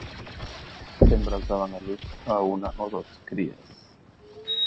Las hembras daban a luz a una o dos crías.